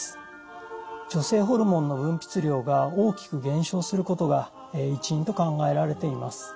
女性ホルモンの分泌量が大きく減少することが一因と考えられています。